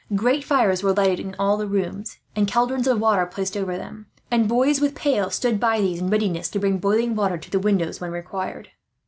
Great fires were lighted in all the rooms, and cauldrons of water placed over them; and boys with pails stood by these, in readiness to bring boiling water to the windows, when required.